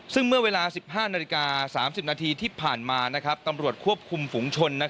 ซึ่งเมื่อเวลา๑๕นาฬิกา๓๐นาทีที่ผ่านมาตำรวจควบคุมฝุงชน